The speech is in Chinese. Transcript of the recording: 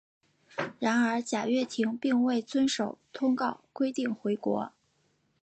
然而贾跃亭并未遵守通告规定回国。